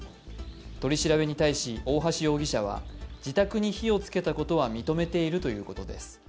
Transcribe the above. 取り調べに対し大橋容疑者は自宅に火を付けたことは認めているということです。